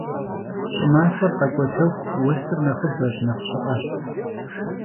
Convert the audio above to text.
Ş'ımaxuer khek'uetexu, vuesır nexhıbeş, nexh ş'ı'eş.